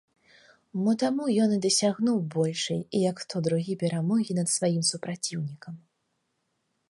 Мо таму ён і дасягнуў большай, як хто другі, перамогі над сваім супраціўнікам.